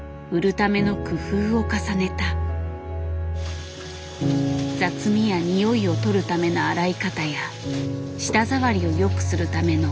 雑味や臭いを取るための洗い方や舌触りを良くするための刃先の入れ方。